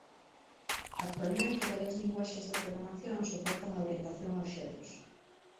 Actualmente varias linguaxes de programación soportan a orientación a obxectos.